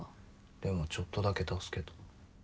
でもちょっとだけ助けた。